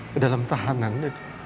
ke dalam tahanan